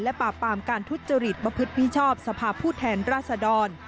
ปราบปรามการทุจริตประพฤติมิชอบสภาพผู้แทนราษดร